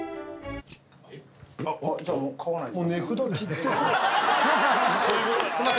あっじゃあもう買わないと。